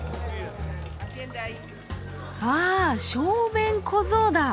あ小便小僧だ。